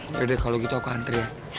yaudah kalo gitu aku antri ya